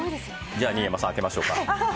じゃあ新山さん開けましょうか。